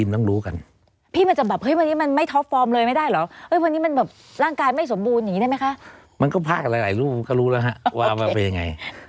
ว่าไปยังไง